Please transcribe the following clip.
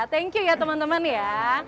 thank you ya temen temen ya